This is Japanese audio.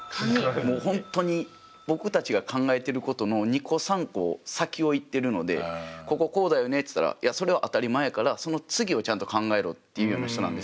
もう本当に僕たちが考えてることの２個３個先を行ってるのでこここうだよね？と言ったらいやそれは当たり前やからその次をちゃんと考えろっていうような人なんですよね。